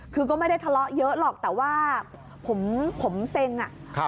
คือก็ไม่ได้ทะเลาะเยอะหรอกแต่ว่าผมเซ็งอ่ะ